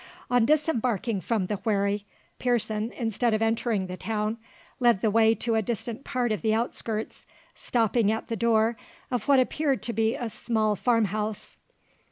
On disembarking from the wherry, Pearson, instead of entering the town, led the way to a distant part of the outskirts, stopping at the door of what appeared to be a small farm house.